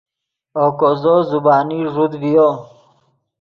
اوکو زو زبانی ݱوت ڤیو